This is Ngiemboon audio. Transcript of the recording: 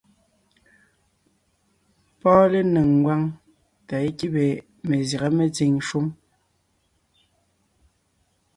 Pɔ́ɔn lénéŋ ngwáŋ tà é kíbe mezyága metsìŋ shúm.